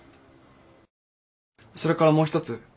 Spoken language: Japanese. それからもう一つ。